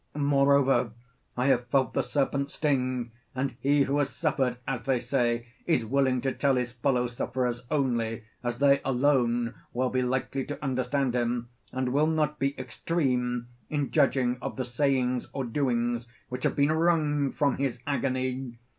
Moreover I have felt the serpent's sting; and he who has suffered, as they say, is willing to tell his fellow sufferers only, as they alone will be likely to understand him, and will not be extreme in judging of the sayings or doings which have been wrung from his agony.